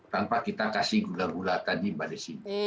tanpa kita kasih gula gula tadi pada sini